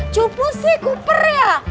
cupu sih kuper ya